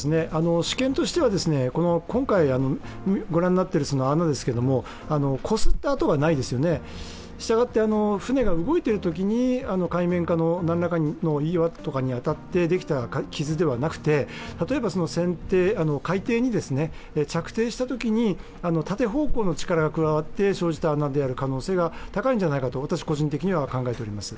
私見としては今回御覧になっている穴ですけども、こすった痕がないですよね、したがって船が動いているときに海面下のなんらかの岩とかに当たってできた傷ではなくて船底、海底に着底したときに縦方向の力が加わって生じた穴である可能性が高いんじゃないかと私個人的には考えております。